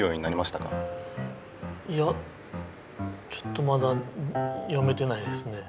いやちょっとまだ読めてないですね。